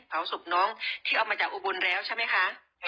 เผาศพน้องที่ออกมาจากอุบลแล้วใช่ไหมคะ